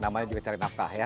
namanya juga cari nafkah ya